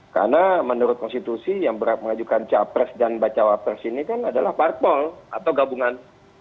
karena menurut konstitusi yang berpengajukan capres dan jawabres ini kan adalah parpol atau gabungan